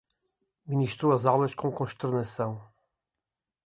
Ministrou as aulas com consternação